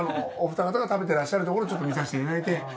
お二方が食べてらっしゃるところをちょっと見させていただいて。